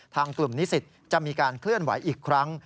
ทางกลุ่มนิสิตจะมีการเคลื่อนไหวอีกครั้ง